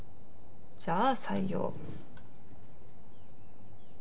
じゃあ採用。